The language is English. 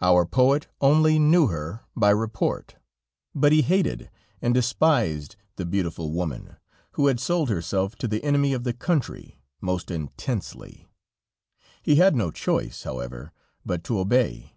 Our poet only knew her by report, but he hated and despised the beautiful woman, who had sold herself to the enemy of the country, most intensely; he had no choice, however, but to obey.